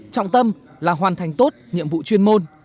trọng tâm là hoàn thành tốt nhiệm vụ chuyên môn